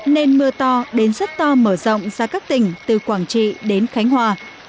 nên mưa to đến rất to mở rộng ra các tỉnh từ quảng trị đến khánh hòa